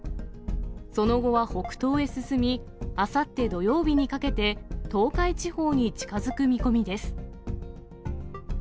その後は北東へ進み、あさって土曜日にかけて、東海地方に近づく見込みです。